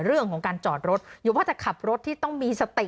เรื่องของการจอดรถหรือว่าจะขับรถที่ต้องมีสติ